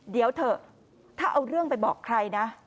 เดี๋ยวเถอะถ้าเอาเรื่องไปบอกใครนะ